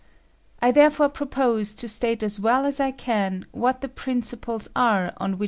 I therefore propose to state aa well aa I can what the principles are on which M.